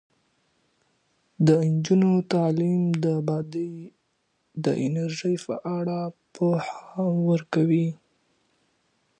د نجونو تعلیم د باد د انرژۍ په اړه پوهه ورکوي.